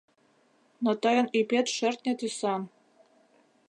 Но тыйын ӱпет шӧртньӧ тӱсан.